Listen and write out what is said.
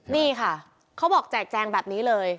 นี่ค่ะเขาบอกแจกแจงแบบนี้เลย